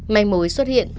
manh mối xuất hiện